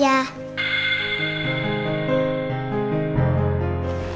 makasih ya bu